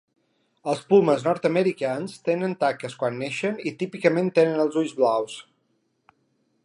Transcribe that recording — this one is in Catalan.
Els pumes nord-americans tenen taques quan neixen i típicament tenen els ulls blaus.